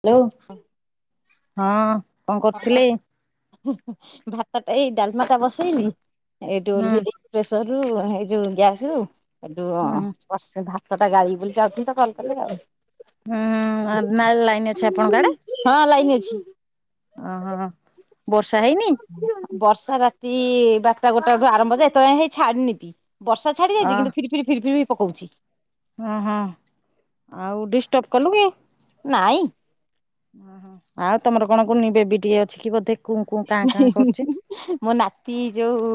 Hello ହଁ କଣ କରୁଥିଲେି ଭାତତା ଟା ଏଇ ଡ଼ାଲମାତା ବସେଇନି ଏଇ ହୁଁ ଓ୍ପେସର ର ଏଇ ଗ୍ୟାସ ର ଏୁ ଅ ହୁଁ ଭ ସେଟା ଗାଈ ବୁଲି ଯାଉଛନ୍ତି ତ କଲ କଲେ ଯାଉ ହୁଁ ନା ଲାଇନ୍‌ ଅଛି ଆପଣ ଙ୍କ ଆଡେ ଲାଇନ ହଁ ଅ ହୋ ବର୍ଷା ରାତି ବାରଟା ଗୋଟାଟୁ ଆରମ୍ଭ ଯେ ଏତଯାଇ ହେଇ ଛାଡିନିି ବର୍ଷା ଛାଡି ଯାଇଛି କିନ୍ତୁ ଫିର୍ ଫିରି ଫିରି ବି ପକାଉଛି ହ ହଁ ଆଉ ଡିଷ୍ଟର୍ବ କଲୁଣି ନାଇଁ ଆଉ ତମର କଣ କୁନି ବେବି ଟିଏ ଅଛି କି ବୋଧେ କୁଁ କୁଁ କାଁ କାଁ କରୁଛି ମୋ ନାତି ଯୋଉ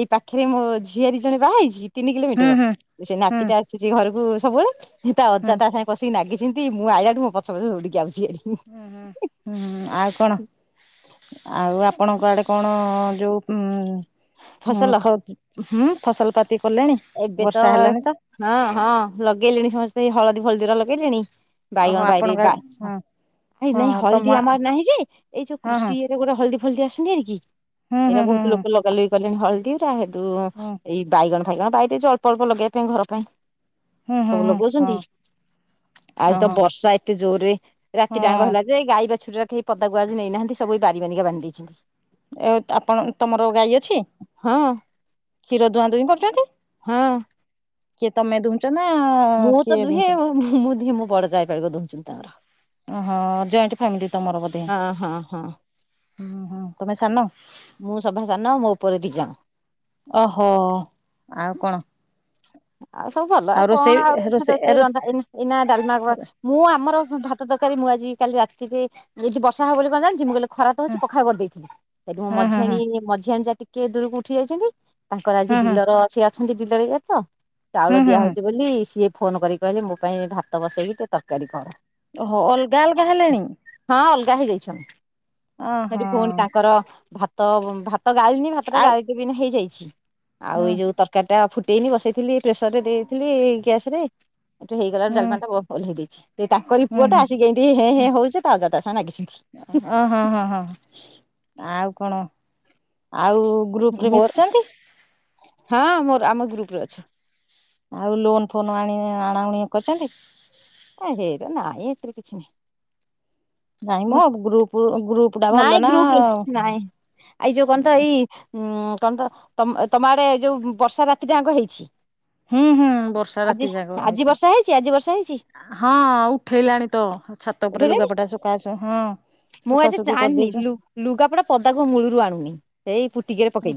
ଏଇ ପାଖରେ ମୋ ଝିଆରି ଜଣେ ବାହା ହେଇଛି ତିନି ହୁଁ କିଲୋମିଟର ହୁଁ ସେ ହୁଁ ନାତିଟା ଆସିଛି ଘରକୁ ସବୁବେଳେଇ ହୁଁ ଅଜା ତା ସାଙ୍ଗ ବସିକି ନାଗିଛନ୍ତି ମୁଁ ଆଇଲା ରୁ ମୋ ପଛେ ପଛେ ଦଉଡିକି ଆଉଛନ୍ତି ଆଉ କଣ ଆଉ ଆପଣ ଆପଣ କୁ ଆଡେ ହଁ ଫସଲ ହୁଁ ଫସଲ ପାତି କଲେଣି ଏବେ ତ ହଁ ହଁ ଲଗେଇଲେଣି ସମସ୍ତେ ହଳଦୀ ଫଳଦୀର ଲଗେଇଲେଣି ଓହୋ ବାଇଗଣ ବାଇରେ ଆପଣଙ୍କ ଆଡେ ହଁ ନାଇଁ ନାଇଁ ହଁ ତମ ହଳଦୀ ଆମର ନାହିଁ ଯେ ଏଇ ଯୋଉ ହଁ ହଁ କୃଷି ରେ ଗୋଟେ ହଳଦୀ ଫଳଦୀ ଆସନ୍ତି ଏହିରିକି ହୁଁ ହୁଁ ହୁଁ ହ ହଳଦୀରା ହେତୁ ଏଇ ବାଇଗଣ ଫାଇଗଣ ବାରି ଜଳପ ଅଳ୍ପ ଲଗେଇବା ପାଇଁ ଘର ପାଇଁ ହୁଁ ହୁଁ ସବୁ ହୁଁ ହଁ ଲଗାଉଛନ୍ତି ଆଜି ତ ଓହୋ ବର୍ଷା ଏତେ ଜୋର୍‌ ରେ ରାତି ଟାଙ୍କ ହଁ ହେଲା ଯେ ଗାଈ ବା ଛୁରୀରୋ କେହି ପଦାକୁ ଆଜି ନେଇନାହାନ୍ତି ସବୁ ବାରି କାନିକା ବାନ୍ଧି ଦେଇଛନ୍ତି ଏ ଆପଣ ତମର ଗାଈ ଅଛି ହଁ କ୍ଷୀର ଦୁଆଁ ଦୁଇଁ କରୁଛନ୍ତି ହଁ କିଏ ତୁମେ ଦୁଉଁଚ? ମୁଁ ତ ଦୁହେଁ ଆଉ, ମୁଁ ଦୁହେଁ ମୋ ବଡ ଯାଆ କହିବ ଦୁଉଁଚି ତାଙ୍କର। ଓହୋ। ଜଏଣ୍ଟ ଫ୍ୟାମିଲି ତମର ବୋଧେ? ହଁ ହଁ ହଁ ହୁଁ ତମେ ସାନ? ମୁଁ ସଭା ସାନ, ମୋ ଉପରେ ଦି ଜଣ। ଓହୋ। ଆଉ କଣ? ଆଉ ସବୁ ଭଲ। ଆଉ କଣ ରୋଷେଇ ଆଉ [unintelligible] ରୋଷେଇ ଏ ଏତେ ରୋଷେ ରନ୍ଧା ଏଇ ଏଇନା ଡାଲମା, ମୁଁ ଆମର ଭାଟ ତରକାରୀ ମୁଁ ଆଜି କାଲି ରାତିରେ ଯଦି ବର୍ଷା ହବ ବୋଲି କଣ ଜାଣିଛି ମୁଁ କହିଲି ଖରା ତ ହଉଛି ପଖାଳ କରିଦେଇଛି। ସେଇଠୁ ମୁଁ ହୁଁ ହୁଁ ହୁଁ ମଝିଆଣି ମଝିଆଣୀ ଯାଆ ଟିକେ ଦୂରକୁ ଉଠି ଯାଇଛନ୍ତି ତାଙ୍କର ଆଜି ହୁଁ ଡିଲର ସିଏ ଅଛନ୍ତି ଡିଲର ଇଏରେ ତ, ହୁଁ ହୁଁ ଚାଉଳ ହୁଁ ଦିଆ ହୁଁ ହଉଛି ବୋଲି ସିଏ ଫୋନ୍ କରିକି କହିଲେ, ମୋ ପାଇଁ ଭାତ ବସେଇକି ଟିକେ ତରକାରୀ କର। ହ ଅଲଗା ଅଲଗା ହେଲେଣି ହଁ ଅଲଗା ହେଇଯାଇଛନ୍ତି। ଓହୋ କହିଲି ଫୁଣି ତାଙ୍କର ଭାତ ଭା ଭାତ ଗାଳିିନି ଭାତଟା ଆଉ ଗାଳିି ଦେବି ଏଇନୁ ହେଇଯାଇଛି, ଆଉ ହୁଁ ଏଇ ଯୋଉ ତରକାରୀଟା ଫୁଟେଇନି ବସେଇଥିଲି ପ୍ରେସରରେ ଦେଇଥିଲି ଗ୍ୟାସରେ, ହେଇଠୁ ହେଇଗଲାଟା ହୁଁ ଡାଲମାଟା ବ-ବସେଇ ଦେଇଛି। ସେଇ ତାଙ୍କରି ହୁଁ ହୁଁ ପୁଅଟା, ଆସିକି ହେଇଟି ହେଁ ହୁଁ ହେଁ ହଉଛି, ତା ଅଜା ତା ସାଙ୍ଗରେ ନାଗିଛନ୍ତି। ଓ ହଁ ହଁ ହଁ ଆଉ କଣ, ଆଉ ଗ୍ରୁପରେ ମୋର ମିଶିଛନ୍ତି? ହଁ ମୋର ଆମ ଗ୍ରୁପରେ ଅଛି। ଆଉ ଲୋନ ଫୋନ ଆଣି ଆଣାଉଣି କରିଛନ୍ତି? ହ ହେଇରା ନାଇଁ ଏଥିରେ କିଛିିନାହିଁ। ହଁ ମୁଁ ନାଇଁ ନା ଗ୍ରୁପରେ ନାହିଁ। ନାଇଁ ଏଇ ଯୋଉ କଣ ତ ଏଇ ଉମ୍ କଣ ତ, ତମ୍ ତମ ଆଡେ ଯୋଉ ବର୍ଷା ରାତିଟା ଆଙ୍କ ହେଇଛି? ହୁଁ ହୁଁ ବର୍ଷା ରାତି ଆଜି, ଯାକ ଆଜି ହେଇଛି। ବର୍ଷା ହେଇଚି, ଆଜି ବର୍ଷା ହେଇଛି? ହଁ ଉଠେଇଲାଣି ତ। ଛାତ ଉପରେ ଉଠେଇଲେଣି ଲୁଗାପଟା ଶୁଖା ହେଇଛି ହଁ। ମୁଁ ଆଜି ଶୁଖାଶୁଖି ଚାଆଣନି, କରିଦେଇଛୁ। ଲୁ-ଲୁଗାପଟା ପଦାକୁ ମୂଳୁରୁ ଆଣୁନି। ସେଇ ପୁ ଉଁ,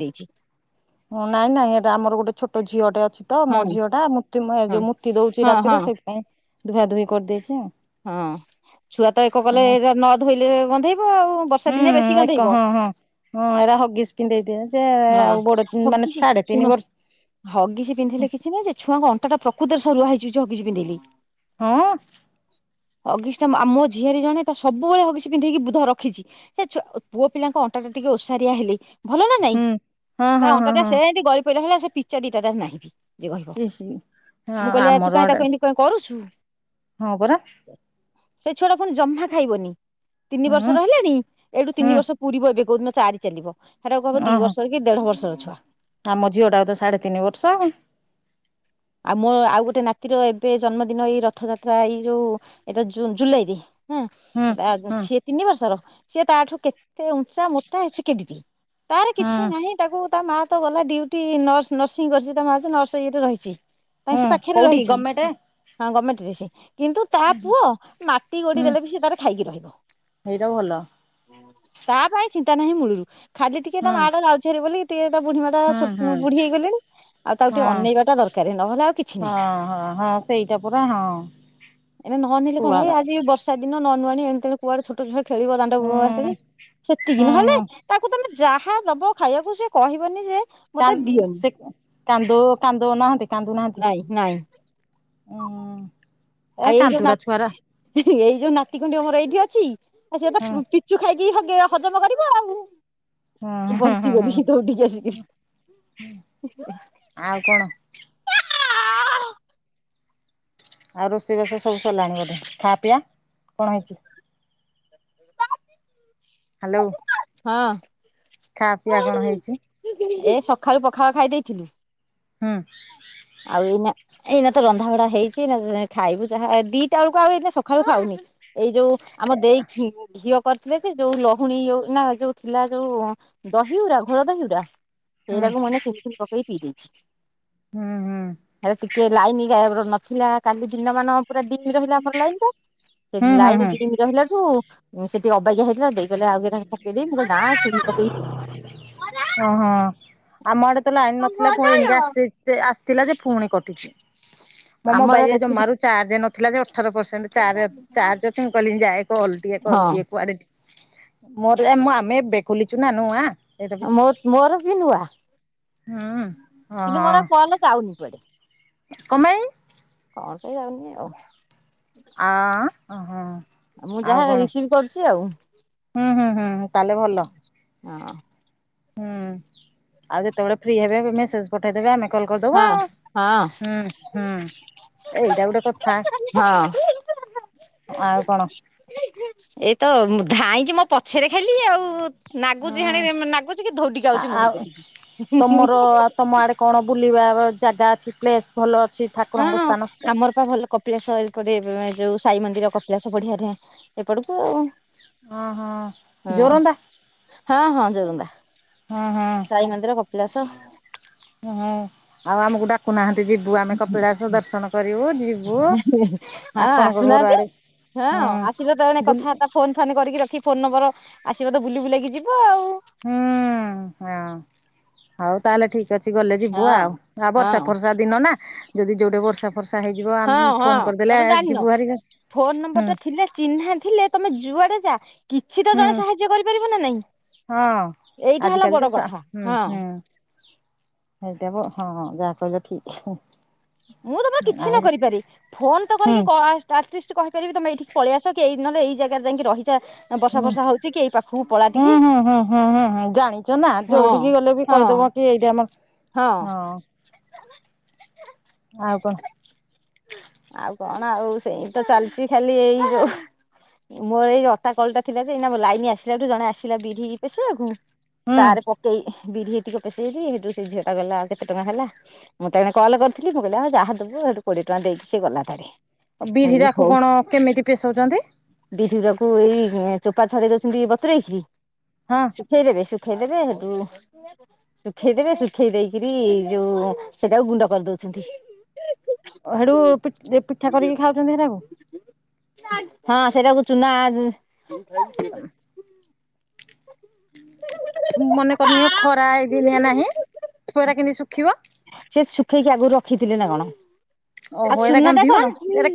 ନାଇଁ ନାଇଁ ଏଇଟା ଆମର ଗୋଟେ ଛୋଟ ଝିଅଟେ ଅଛି ତ, ହଁ ମୋ ଝିଅଟା ମୁଁ ତିମା ଯୋଉ ହଁ ମୁତି ଦଉଚି ହଁ ରାତିରେ, ହଁ। ସେଇଥିପାଇଁ ଧୁଆ ଧୁଇ କରିଦେଇଛି ଆଉ। ହଁ। ଛୁଆ ତ ଏକ କଲେ ନ ଧୋଇଲେ ଗନ୍ଧେଇବ ଆଉ। ବର୍ଷା ହୁଁ ଦିନେ ବେଶି ଏକ ଗନ୍ଧେଇବ। ହଁ ହଁ। ହଁ ଏଇରା ହଗିସ୍ ପିନ୍ଧେଇ ଦିଅ। ହଁ, ହଗିସ୍ ଶୁଣ। ବର୍ଷ ହଗିସି ପିନ୍ଧେଇଲେ କିଛି ନାହିଁ ଯେ, ଛୁଆଙ୍କ ଅଣ୍ଟାଟା ପ୍ରକୃତରେ ସରୁଆ ହେଇଯିବ ଯୋଉ ହଗିସି ପିନ୍ଧେଇଲେ। ହଁ। ହଗିସ୍ ଟା ଆ ମୋ ଝିଆରୀ ଜଣେ, ତ ସବୁବେଳେ ହଗିସ୍ ପିନ୍ଧେଇକି ବୁଧ ରଖିଛି। ସେ ଛୁଆ ପୁଅ ପିଲାଙ୍କ ଅଣ୍ଟା ଣ୍ଟା ଯେତିକି ଓସାରିଆ ହେଲେ ଭଲ ନା ନାଇଁ। ହୁଁ ହଁ ତା ହଁ ହଁ ଅଣ୍ଟାଟା ହଁ ସେନ୍ତି ଗଳି ପଇଲା ଭଳିଆ ସେ ପିଚା ଦିଟା ତାର ନାହିଁ। ଯଏ କହିବ, ଇସ୍ ହଁ ମୁଁ କହିଲି ଆ ତୁ ଆମର କାଇଁ ତାକୁ ଏମତି କାଇଁ କରୁଚୁ? ହଁ ପରା। ସେ ଛୁଆଟା ପୁଣି ଜମା ଖାଇବନି। ତିନି ହୁଁ ବର୍ଷର ହେଲାଣି, ଏଇଠୁ ହୁଁ। ତିନି ବର୍ଷ ପୂରିବ ଏବେ କୋଉଦିନ ଚାରି ଚାଲିବ। ହେଇରାକୁ ହବ ଦି ଓହୋ ବର୍ଷର କି ଦେଢ ବର୍ଷର ଛୁଆ। ଆମ ଝିଅଟାକୁ ତ ସାଢେ ତିନି ବର୍ଷ ଆଉ। ଆଉ ମୋ, ଆଉ ଗୋଟେ ନାତିର ଏବେ ଜନ୍ମଦିନ ଏଇ ରଥଯାତ୍ରା ଏଇ ଯୋଉ ଏଇ ତ ଜୁନ୍ ଜୁଲାଇରେ। ହଁ ତା ହୁଁ ସିଏ ତିନି ବର୍ଷର, ସିଏ ତା ଠୁ କେତେ ଉଞ୍ଚା ମୋଟା ଅଛି କେଡେଟିଏ। ତାର ହୁଁ କିଛି ନାହିଁ ତାକୁ, ତା ମାଆ ତ ଗଲା ଡ୍ୟୁଟି, ନର୍ସ ନର୍ସିଂ କରିଛି ତା ମାଆ ଯେ ନର୍ସ ଇଏରେ ରହିଛି। ପାଇଁ ହୁଁ ସେ ପାଖରେ କୋଉଠି ରହିଛି। ଗମେଣ୍ଟ ହଁ, ଗମେଣ୍ଟରେ ସିଏ। କିନ୍ତୁ ତା ପୁଅ, ମାଟି ଗୋଡି ହୁଁ ଦେଲେ ବି ସିଏ ତାର ଖାଇକି ରହିବ। ସେଇଟା ଭଲ ତା ପାଇଁ ଚିନ୍ତା ନାହିଁ ମୂଳୁରୁ। ଖାଲି ଟିକେ ତା ହୁଁ ମାଆଟା ଯାଉଛି ହାରି ବୋଲିକି ତା ବୁଢୀ ମାଆଟା ହୁଁ ହୁଁ ଛୋଟ ବୁଢୀ ହେଇଗଲେଣି, ଆଉ ତାକୁ ଟିକେ ଅନେଇବାଟା ଦର ହଁ-ହଁ-ହଁ, ସେଇଟା ପୁରା ହଁ। ଏଇରା ନ ଅନେଇଲେ କଣ, ଛୁଆର ଏ ଆଜି ବର୍ଷା ଦିନ ନୁଆନୂଆଣି ଏଣୁତେଣେ କୁଆଡେ ଛୋଟ ଛୁଆ ଖେଳିବ ହୁଁ ଦାଣ୍ଡଘାଟରେ ସେତିକି ହୁଁ ନହେଲେ ହୁଁ ତାକୁ ତମେ ଯାହା ଦବ ଖାଇବାକୁ ସେ କହିବନି ଯେ ମତେ କାନ୍ ଦିଅନି ସେ କାନ୍ଦଉ କାନ୍ଦଉ ନାହାନ୍ତି କାନ୍ଦୁ ନାହାନ୍ତି। ନାଇଁ ନାଇଁ ଉଁ ଏ ଆଉ ଏଇ ଯୋଉ ନା କାନ୍ଦୁରା ଛୁଆରା ଏଇ ଯୋଉ ନାତି ଖଣ୍ଡିକ ମୋର ଏଇଠି ଅଛି ଆ ସିଏତ ହୁଁ ପିଚୁ ଖାଇ କି ହଗେ ହଜମ କରିବ ଆଉ ହୁଁ ହୁଁ ହୁଁ ବଞ୍ଚିଗଲି ଦୌଡିକି ଆସିକି। ହୁଁ ଆଉ କଣ। ଆଉ ରୋଷେଇବାଷ ସବୁ ସରିଲାଣି ବୋଧେ ଖାଆ ପିଇଆ କଣ ହେଇଛି। ହାଲୋ। ହଁ। ଖାଆ ପିଆ କଣ ହେଇଛି? ଏ ସକାଳୁ ପଖାଳ ଖାଇ ଦେଇଥିଲୁ। ହୁଁ। ଆଉ ଏଇନା ଏଇନା ତ ରନ୍ଧା ବଢା ହେଇଛି ନା ଖାଇବୁ ଯାହା ଦିଟା ବେଳକୁ ଆଉ ଏଇ ସକାଳୁ ଖାଉନି ଏଇ ଯୋଉ ଆମ ଦେଇ ଇ ଘିଅ କରିଥିଲେ ସେ ଯୋଉ ଲହୁଣୀ ଯୋଉ ନା ଯୋଉ ଥିଲା ଯୋଉ ଦହି ଗୁରା ଘୋଳ ଦହିଗୁରା। ହୁଁ ସେଇରାକୁ ମାନେ ଚିନି ଫିନୀ ପକେଇକି ପିଦେଇଛି ହୁଁ ହୁଁ ହେରା ଟିକେ ଲାଇନି ନଥିଲା କାଲି ଦିନ ମାନ ପୁରା ଡିମି ରହିଲା ଆମର ଲାଇନି ଟା ସେ ହୁଁ ହୁଁ ଲାଇନ ହୁଁ ଡିମ ରହିଲା ରୁ ସେ ଟିକେ ଅ ଅବାଗିଆ ହେଇଥିଲା ଦେଇ କହିଲେ ଆଉ କେଇଟା ଖଣ୍ଡେ ପକେଇଦେ ମୁଁଁ କହିଲି ଚିନି ପକେଇ ପିଦେ। ଓହୋ। ଆମ ଆଡେ ତ ଲାଇନ ନଥିଲା ପୁଣି ଏଣିକି ଆସି ଆସିଥିଲା ଯେ ପୁଣି କଟିଛି। ମୋ ମୋର ମୋବାଇଲ ରେ ଜମାରୁ ଚାର୍ଜ ନଥିଲା ଯେ ଅ ଅଠର ପରସେଣ୍ଟ ଚାର ଚାର୍ଜ ଅଛି ମୁଁ କହିଲି ଯାଏ କଲ ଟିକେ କରିଦିଏ କୁଆଡ଼େ ଟି ମୋର ମୁଁ ଆମେ ଏବେ ଖୋଲିଚୁ ନା ନୁଆଁ। ମୋ ମୋର ବି ନୁଆ। ହୁଁ କିନ୍ତୁ ମୋର ଆଉ କଲ ଯାଉନି କୁଆଡେ। କ ପାଇଁ? କଣ ପାଇଁ ଯାଉନି ଆଉ। ଆ ଓହୋ। ମୁଁ ଆଉ ଯାହା କଣ ରିସିଭି କରୁଛି ଆଉ। ହୁଁ ହୁଁ ହୁଁ। ତାହେଲେ ଭଲ ହଁ। ହୁଁ ଆଉ ଯେତେବେଳେ ଫ୍ରି ହେବେ ମେସେଜ ପଠେଇଦବେ ଆମେ କଲ୍ କରିଦେବୁ ହଁ। ଆଉ। ହଁ ହୁଁ ହୁଁ ଏଇଟା ଗୋଟେ କଥା। ହଁ ଆଉ କଣ? ଏଇତ ଧାଇଁକି ମୋ ପଛରେ ଖାଲି ଆଉ। ନାଗୁଛି ହାଣେ ନାଗୁଛି କି ଧୌଡିକି ହୁଁ ଆ ଆଉଛି ଆ ମୋରି ଆଉ କତିକି। ତମର ତମ ଆଡେ କଣ ବୁଲିବା ଜାଗା ଅଛି ପ୍ଲେସ୍। ଭଲ ଅଛି ହଁ ଠାକୁରଙ୍କ ହଁ ସ୍ଥାନ ଆମର ପା ଭଲ କପିଳାସ କରେ ଏ ଯୋଉ ସାଇ ମନ୍ଦିର କ କପିଳାସ ବଢିଆ ଢ଼େ ଏପଟକୁ। ହଁ ହଁ ଜୋରନ୍ଦା ହଁ ହଁ ଜୋରନ୍ଦା ହଁ ସାଇ ମନ୍ଦିର କପିଳାସ। ହୁଁ ଆଉ ଆମକୁ ଡାକୁ ନା ଯିବୁ ଆମେ କପିଳାସ ଦର୍ଶନ କରିବୁ ଯିବୁ ହଁ ଆପଣଙ୍କ ଘର ଆସୁନାହାନ୍ତି ଆଡେ ହଁ ହୁଁ ଆସିବ ଏହିନେ ବୁଲି କଥାବାର୍ତା ଫୋନ ଫାନ କରିକି ରଖି ଫୋନ ନମ୍ବର ଆସିବ ତ ବୁଲି ବୁଲାକି ଯିବ ଆଉ। ହୁଁ ହଁ ହଉ ତାହେଲେ ଠିକ ଅଛି ଗଲେ ଯିବୁ ହଁ ଆଉ ଆଉ ବର୍ଷା ହଁ। ଫର୍ଷା ଦିନ ନା ଯଦି ଯୋଉଠି ବର୍ଷା ଫର୍ଷା ହେଇଯିବ ହଁ ଆମେ ହଁ ଫୋନ କ ତମେ ଜାଣିନ ଫୋନ ନମ୍ବର ଟା ଥିଲେ ଚିହ୍ନା ଥିଲେ ତମେ ଯୁଆଡେ ଯା। କିଛି ତ ହୁଁ ଜଣେ ସାହାଯ୍ୟ କରିପାରିବ ନା ନାଇଁ। ହଁ ଏଇଟା ହେଲା ଆଜିିକାଲି ବଡ ତ ସା କଥା ହୁଁ ହଁ ହୁଁ। ହେଇଟା ବ ହଁ ଯାହା କହିଲ ଠିକ। ମୁଁ ତମର କିଛି ଆଉ ନ କରିପାରେ ଫୋନ ତ ହୁଁ କରିକି କ ଆସ ଆଟଲିଷ୍ଟ ଚି କହିପାରିବି ତମେ ଏଇଠିକି ପଳିଆସ କି ଏଇ ନହେଲେ ଏଇ ଜାଗାରେ ଯାଇକି ରହି ହୁଁ ହୁଁ ଟିକେ ହୁଁ ହୁଁ ହୁଁ ହୁଁ ହୁଁ ଜାଣିଛ ନା ହଁ ଯୋଉଠିକି ଗଲେ ବି ହଁ କହିଦବ କି ଏଇଟାମ ହଁ। ଆଉ କଣ? ଆଉ କଣ ଆଉ ସେଇତ ଚାଲିଛି ଖାଲି ଏଇ ଯ ମୋର ଏଇ ଅଟା କଲ ଟା ଥିଲା ଯେ ଲାଇନ ଆସିଲାଠୁ ଜଣେ ଆସିଲା ବିରି ପେସେଇବାକୁ ହୁଁ ତାର ପକେଇ ବିରି ହେତିକ ପଶେଇଲି ହେଇଠୁ ସେ ଝିଅ ଟା କହି ଆଉ କେତେ ଟଙ୍କା ହେଲା? ମୁଁ ତ ଏଣେ କଲ କରିଥିଲି। ମୁ କହିଲି ହଉ ଯାହା ଦବୁ। ହେଠୁ କୋଡ଼ିଏ ଟଙ୍କା ଦେଇକି ସେ ଗଲା ତାରି। ବିରିରାକୁ କଣ କେମିତି ପେସଉଛନ୍ତି? ବିରିରାକୁ ଏଇ ଚୋପା ଛଡେଇ ଦଉଛନ୍ତି ବତୁରେଇକି ହଁ ଶୁଖେଇ ଦେବେ ସୁଖ ଖେଇଦବେ ହେଠୁ ଶୁଖେଇ ଦେବେ ଶୁଖେଇ ଦେଇକିରି ଯଉ ସେଟାକୁ ଗୁଣ୍ଡ କରିଦଉଛନ୍ତି। ହେଡୁ ପି ପିଠା କରିକି ଖାଉଛନ୍ତି ହେରାକୁ? ହଁ ସେରାକୁ ଚୁନା ମନେକରି ନିଅ ଖରା ଏଇ ଦିନିଆ ନାହିଁ। ଏରା କେମିତି ଶୁଖିବ? ସେ ଶୁଖେଇକି ଆଗରୁ ରଖିଥିଲେ ନା କଣ? ଆଉ ଓହୋ ଏରା ଚୁନା ଟା କଣ ଗନ୍ଧିବନି ଏରା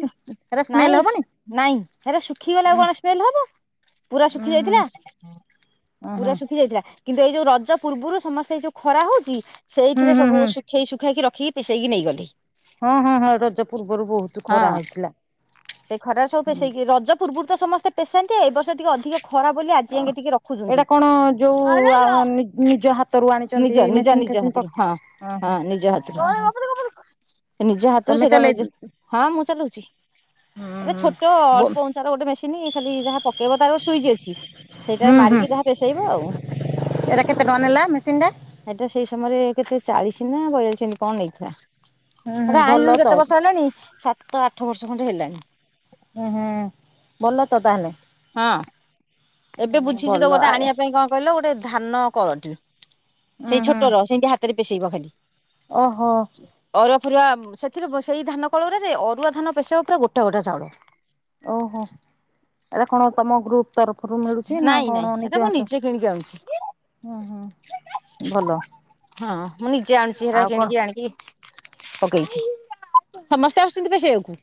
ଏରା ସ୍ମେଲ ନାଇଁ ହବନି ନାଇଁ ହେରା ଶୁଖିଗଲେ ଆଉ କଣ ସ୍ମେଲ୍ ହବ୍ ହଁ ପୁରା ଶୁଖି ଯାଇଥିଲା ଉଁ ପୁରା ହୁଁ ଶୁଖି ଯାଇଥିଲା। କିନ୍ତୁ ଏଇ ଯୋଉ ରଜ ପୂର୍ବରୁ ସମସ୍ତେ ଏଇ ଯୋଉ ଖରା ହଉଛି ହୁଁ ସେଇଥିରେ ହୁଁ ସବୁ ହୁଁ ଶୁଖେଇ ଶୁଖାକି ରଖ ଖି ପେସେଇକି ନେଇଗଲି। ହଁ ହଁ ହଁ। ରଜ ପୂର୍ବରୁ ବହୁତ ହଁ ଖରା ସେ ଖରାରେ ସବୁ ପେସେଇକି ହେଇଥିଲା। ରଜ ପୂର୍ବରୁ ତ ସମସ୍ତେ ପେସାନ୍ତି ଏ ବର୍ଷ ଟିକେ ଅଧିକ ଖରା ବୋଲି ଆଜି ଆଙ୍କେ ଟିକେ ଏଇଟା ରଖୁଛନ୍ତି। କଣ ଯୋଉ ଆ ନିଜ ହାତରୁ ଆଣିଛନ୍ତି ନିଜ ନିଜ ମେସିନ ନିଜ ଫେସିନ ପ ହାତରୁ ହଁ ଓହୋ ହଁ ନିଜ ଓହୋ ହାତରୁ ନିଜ ହାତ ତମେ ଚଲେଇ [unintelligible] ମୁଁ ଚାଲୁଛି। ହୁଁ ଏଟା ହୁଁ ଛୋଟ ବୋ ଅଳ୍ପ ଉଞ୍ଚା ର ଗୋଟେ ମେସିନ ଖାଲି ଯାହା ପକେଇବ ତାର ଗୋଟ ସୁଇଚ ଅଛି। ସେଇଟାରେ ମାରିକି ଯାହା ପେଶେଇବ ଆଉ। ଏରା କେତେ ଟଙ୍କା? ନେଲା ମେସିନ ଟା ଏଟା ସେଇ ସମୟରେ କେତେ ଚାଳିଶ ନା ବୟାଳିସ ଏନ୍ତି କଣ ନେ। ହୁଁ ହୁଁ ଭଲ। ତ କେତେ ବର୍ଷ ହେଲାଣି? ସାତ ଆଠ ବର୍ଷ ଖଣ୍ଡେ ହେଲାଣି। ହୁଁ ହୁଁ ଭଲ ତ ତାହାଲେ। ହଁ ଏବେ ବୁଝିଚି ତ ଭଲ ଗୋଟେ ଆ ଆଣିବା ପାଇଁ କଣ କହିଲ ଗୋଟେ ଧାନ କଳଟିଏ। ଉୁଁ ସେଇ ହୁଁ ଛୋଟର ସେମିତି ହାତରେ ପେଷେଇବ ଖାଲି। ଓହୋ। ଫୁରୁଆ ସେଥିରେ ବ ସେଇ ଧାନ କଳ ଗୁରାରେ ଅରୁଆ ଧାନ ପେସେଇବ ପୁରା ଗୋଟା ଗୋଟା ଚାଉଳ। ଓହୋ ଏରା କଣ ତମ ଗ୍ରୁପ ତରଫରୁ ମିଳୁଛି ନା ନାଇଁ ନାଇଁ କଣ ସେଟା ନିଜ ମୁଁ ହାତ? ନିଜେ କିଣିକି ଆଣୁଛି ହୁ ହୋ। ଭଲ। ହଁ ମୁଁ ନିଜେ ଆଣୁଛି ହେରା ଆଉ କଣ କିଣିକି ଆଣିକି ପକେଇଛି। ସମସ୍ତେ ଆସୁଛନ୍ତି ପେସେଇବାକୁ?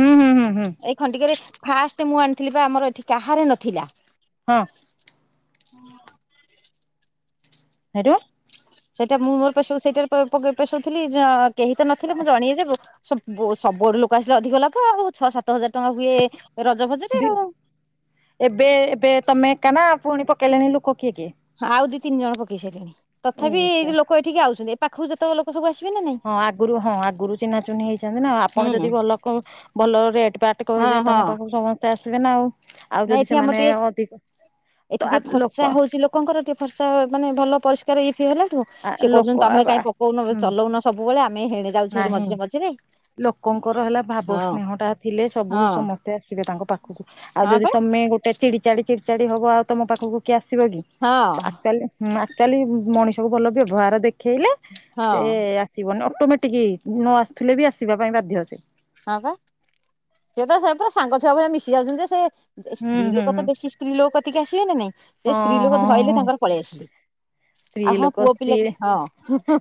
ହୁଁ ହୁଁ ହୁଁ ହୁଁ। ଏଇ ଖଣ୍ଡିକରେ ଫାଷ୍ଟ ମୁଁ ଆଣିଥିଲି ବା ଆମର ଏଠି କାହାର ନଥିଲା। ହଁ। ହୁଁ ହେଟୁ? ସେଇଟା ମୁଁ ମୋର ପେଶୋଊ ପେଶଥିଲି କେହି ତ ନଥିଲେ ମୁଁ ଜଣେଇ ସବୁ ସବୁଆଡୁ ଲୋକ ଆସିଲେ ଅଧିକ ଲାଭ ଆଉ। ଛଅ ସାତ ହଜାର ଟଙ୍କା ହୁଏ ରଜ ଫଜରେ ଦି ଆଉ ଏବେ ଏବେ ତମେ ଏକା ନା ପୁଣି ପକେଇଲେଣି ଲୁକ କିଏ କିଏ? ଆଉ ଦି ତିନି ଜଣ ପକେଇ ସାଇଲେଣି। ତଥାପି ଏ ଏଇସା ଯଉ ଲୋକ ଏଠିକି ଆଉସନ୍ତି। ଏ ପାଖରୁ ଯେତେକ ଲୋକ ସବୁ ଆସିବେ। ନା ନାଇଁ ହଁ, ଆଗରୁ ହଁ, ଆଗରୁ ଚିହ୍ନା ଚୁହ୍ନି ହେଇଛନ୍ତି ନା, ଆପଣ ହୁଁ ଯଦି ଭଲ କ ଭଲ ରେଟ୍ ବାଟ ହଁ କହିବେ। ହଁ ତମ ପାଖକୁ ସମସ୍ତେ ଆସିବେ ନା ଆଉ। ଆଉ, ନାଇଁ ଯଦି ଏଠି ଆମର ସେମାନେ ଟିକେ ଅଧିକ ତ ଏଠି ଆ ଟିକେ ଲୋକ ଫର୍ଚା ହଉଛି, ଲୋକଙ୍କର ଟିକେ ଫର୍ଚା ମାନେ ଭଲ ପରିଷ୍କ ତାର ଇଏଫିଏ ହେଲାଠୁ ଆ ସେ ଲୋକ କହୁଛନ୍ତି, ଆଉ ତମେ ଆ କାହିଁ ପକଉନ ହୁଁ ଚଲଉନ ସବୁବେଳେ, ଆମେ ହେଣେ ଯାଉଛୁ ହାରି ନାହିଁ ମଝିରେ ମଝିରେ। ଲୋକଙ୍କର ହେଲା ଭାବ ହଁ ସ୍ନେହ ଟା ଥିଲେ, ସବୁ ହଁ ସମସ୍ତେ ଆସିବେ ତାଙ୍କ ପାଖକୁ। ଆଉ, ହଁ ଯଦି ବା ତମେ ଗୋଟେ ଚିଡି ଚାଡି ଚିଡିଚାଡି ହବ। ଆଉ ତମ ପାଖକୁ କି୍ୟାସ ଆସିବକି ହଁ ଆକ୍ଚୁଆଲି ହୁଁ ଆକ୍ଚୁଆଲି ମଣିଷକୁ ଭଲ ବ୍ୟବହାର ଦେଖ୍ ଖେଳିଲେ, ହଁ ସେ ଆସିବନି ଅଟୋମେଟିକ୍ ନ ଆସୁଥିଲେ ବି ଆସିବା ପାଇଁ ବାଧ୍ୟ ସେ। ହଁ, ବା ସିଏ ତ ସେ ପୁରା ସାଙ୍ଗ ଛୁଆ ଭଳିଆ ମିଶି ଯାଉଛନ୍ତି। ସେ ହୁଁ ସ୍ତ୍ରୀ ହୁଁ ଲୋକ ତ ହୁଁ। ବେଶୀ ସ୍ତ୍ରୀ ଲୋକ କତିକି ଆସିବେ ନା ନାଇଁ! ସେ ହଁ ସ୍ତ୍ରୀ ଲୋକ ଧଇଲେ ତାଙ୍କର ପଳେଇ ଆସିଲେ। ହଁ [inaudible] ଆଉ ସ୍ତ୍ରୀ ଲୋକ ପୁଅ ସ୍ତ୍ରୀ, ପିଲା ହଁ ହ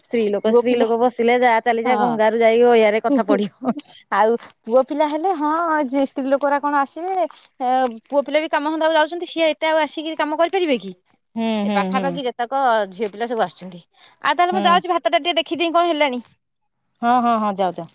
ସ୍ତ୍ରୀ ଲୋକ ପୁଅ ସ୍ତ୍ରୀ ପିଲା ଲୋକ ବସିଲେ, ଯା ଚାଲିଯା ଗଙ୍ଗାରୁ ଯାଇ ଗୟାରେ। ହୁଁ ହୁଁ ଆଉ ପୁଅ ପିଲା ହେଲେ ହଁ। ହଁ, ଯିଏ ସ୍ତ୍ରୀ ଲୋକରା କଣ ଆସିବେ, ପୁଅ ପିଲା ବି କାମ ଧନ୍ଦାକୁ ଯାଉଛନ୍ତି ସିଏ ଏତେ ଆଉ ଆସିକି କାମ କରିପାରିବେ କି? ହୁଁ ସେ ହୁଁ ହୁଁ ପାଖାପାଖି ଯେତେକ ଝିଅ ପିଲା ସବୁ ଆସୁଛନ୍ତି। ଆଉ ତାହେଲେ ହୁଁ ମୁଁ ଯାଉଛି, ଭାତ ଟା ଟିକେ ଦେଖ୍ ଖିଦେଇ କଣ ହେଲାଣି? ହଁ ହଁ ହଁ ଯାଅ ଯା।